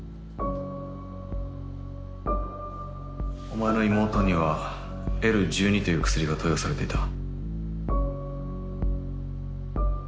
お前の妹にはＬ１２という薬が投与されていた。